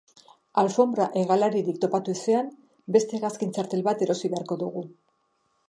Alfonbra hegalaririk topatu ezean, beste hegazkin txartel bat erosi beharko dugu.